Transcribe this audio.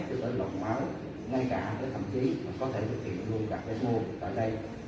từ cái lọc máu ngay cả tới thậm chí có thể có tiền luôn đặt để mua tại đây